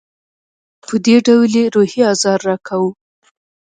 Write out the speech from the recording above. په دې ډول یې روحي آزار راکاوه.